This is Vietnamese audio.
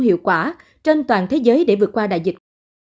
hiệu quả trên toàn thế giới để vượt qua đại dịch